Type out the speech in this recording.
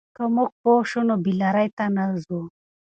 که موږ پوه شو، نو بې لارۍ ته نه ځو.